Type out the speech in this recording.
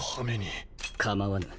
構わぬ。